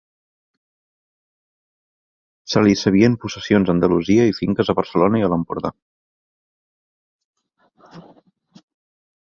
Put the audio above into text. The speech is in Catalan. Se li sabien possessions a Andalusia i finques a Barcelona i a l'Empordà.